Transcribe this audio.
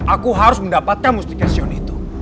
aku harus mendapatkan mustikasiun itu